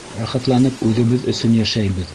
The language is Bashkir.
Рәхәтләнеп үҙебеҙ өсөн йәшәйбеҙ.